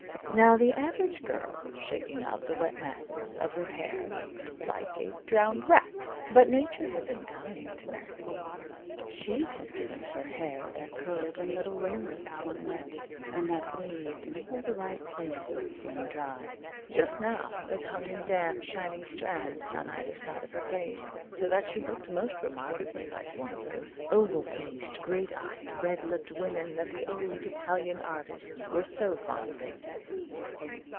Now the average girl shaking out the wet masses of her hair looks like a drowned rat. But Nature had been kind to Mary Louise. She had given her hair that curled in little ringlets when wet, and that waved in all the right places when dry. Just now it hung in damp, shining strands on either side of her face, so that she looked most remarkably like one of those oval faced, great eyed, red lipped women that the old Italian artists were so fond of painting.